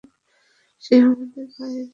সে আমাদের ভাইয়ের কথা বলবে স্যার।